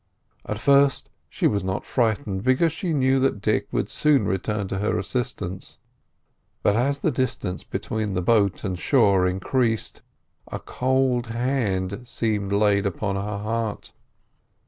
At first she was not frightened, because she knew that Dick would soon return to her assistance; but as the distance between boat and shore increased, a cold hand seemed laid upon her heart.